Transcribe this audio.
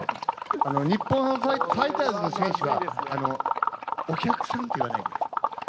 日本ハムファイターズの選手は、お客さんって言わないで。